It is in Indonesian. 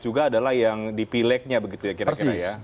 juga adalah yang di pileknya begitu ya kira kira ya